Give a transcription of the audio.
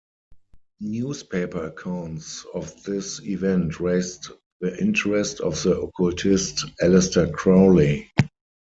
Newspaper accounts of this event raised the interest of the occultist Aleister Crowley.